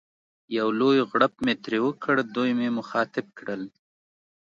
یو لوی غړپ مې ترې وکړ، دوی مې مخاطب کړل.